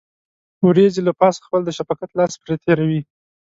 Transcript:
وريځې له پاسه خپل د شفقت لاس پرې تېروي.